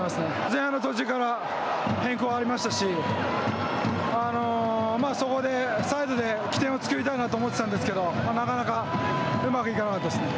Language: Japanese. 前半の途中から変更がありましたしそこでサイドで起点を作りたいなと思っていたんですけど、なかなかうまくいかなかったですね。